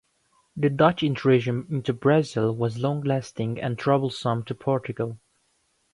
The Dutch intrusion into Brazil was long lasting and troublesome to Portugal.